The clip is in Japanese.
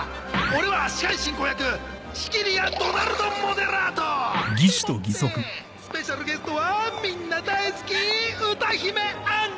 俺は司会進行役仕切り屋ドナルド・モデラート！でもってスペシャルゲストはみんな大好き歌姫アン！